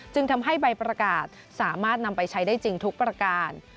จึงทำให้ใบประกาศสามารถนำไปใช้ได้จริงทุกประการ